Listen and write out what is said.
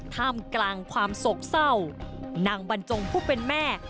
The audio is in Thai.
ท่ามกลางความโศกเศร้านางบรรจงผู้เป็นแม่